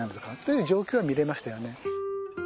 いう状況が見れましたよね。